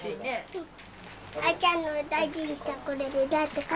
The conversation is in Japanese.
うん。